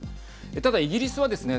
ただ、イギリスはですね